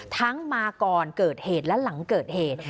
มาก่อนเกิดเหตุและหลังเกิดเหตุ